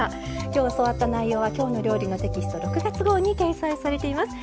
今日教わった内容は「きょうの料理」のテキスト６月号に掲載されています。